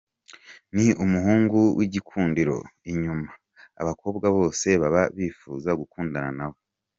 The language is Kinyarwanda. Ni umuhungu w’igikundiro inyuma, abakobwa bose baba bifuza gukundana nawe.